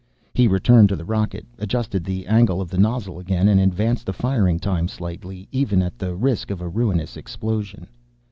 He returned to the rocket, adjusted the angle of the nozzle again, and advanced the firing time slightly, even at the risk of a ruinous explosion.